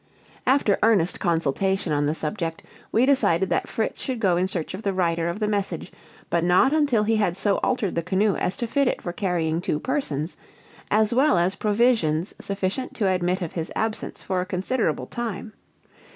After earnest consultation on the subject, we decided that Fritz should go in search of the writer of the message, but not until he had so altered the canoe as to fit it for carrying two persons, as well as provisions sufficient to admit of his absence for a considerable time.